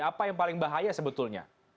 apa yang paling bahaya sebetulnya